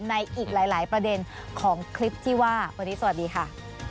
ในอีกหลายประเด็นของคลิปที่ว่าวันนี้สวัสดีค่ะ